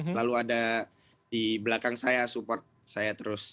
selalu ada di belakang saya support saya terus